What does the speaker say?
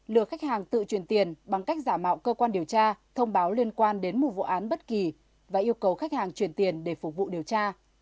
lừa khách hàng tự truyền tiền bằng cách giả mạo cơ quan điều tra thông báo liên quan đến một vụ án bất kỳ và yêu cầu khách hàng truyền tiền để phục vụ điều tra